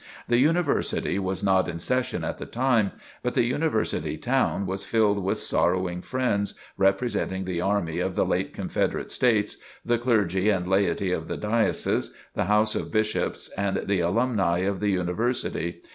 The University was not in session at the time, but the University town was filled with sorrowing friends, representing the Army of the late Confederate States, the clergy and laity of the Diocese, the House of Bishops, and the alumni of the University.